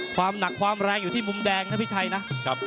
ความหนักความแรงอยู่ที่มุมแดงนะพี่ชัยนะ